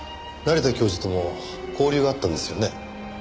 成田教授とも交流があったんですよね？